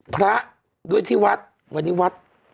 พระด้วยที่วัดวันนี้วัด